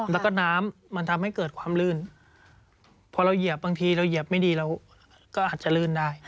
แล้วก็น้ำมันทำให้เกิดความลื่นพอเราเหยียบบางทีเราเหยียบไม่ดีเราก็อาจจะลื่นได้